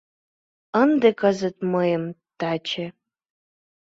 Ынде кызыт мыйым таче